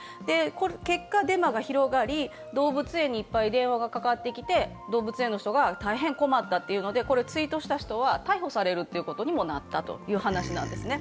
結果、デマが広がり、動物園にいっぱい電話がかかってきて、動物園の人が大変困ったというので、ツイートした人は逮捕されることになったという話なんですね。